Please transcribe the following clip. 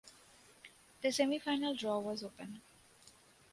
The semi final draw was open.